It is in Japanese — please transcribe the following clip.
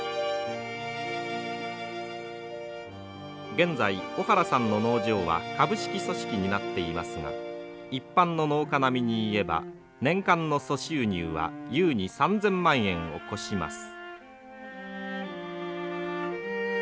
現在小原さんの農場は株式組織になっていますが一般の農家並みにいえば年間の粗収入は優に３，０００万円を超します。